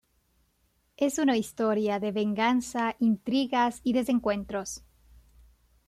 Es una historia de venganza, intrigas y desencuentros.